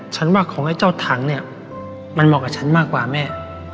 ฉันว่าของไอ้เจ้าถังเนี่ยมันเหมาะกับฉันมากกว่าแม่